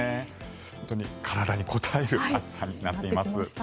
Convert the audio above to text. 本当に体にこたえる暑さになっています。